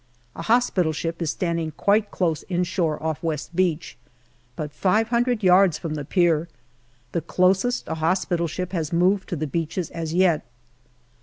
A hospital ship is standing quite close inshore off West Beach, but five hundred yards from the pier, the closest a hospital ship has moved to the beaches as yet.